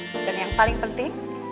dan yang paling penting